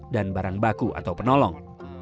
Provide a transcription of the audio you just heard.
dan barang baku atau penolong